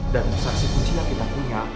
saksi kunci yang kita punya